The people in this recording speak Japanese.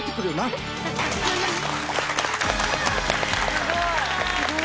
すごい。